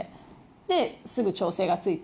ですぐ調整がついて。